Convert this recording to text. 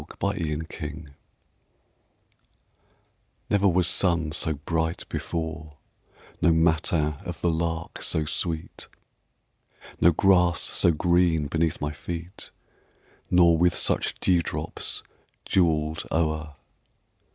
A SUMMER MORNING Never was sun so bright before, No matin of the lark so sweet, No grass so green beneath my feet, Nor with such dewdrops jewelled o'er.